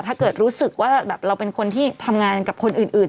ถ้าเกิดว่าเราเป็นคนที่ทำงานกับคนอื่น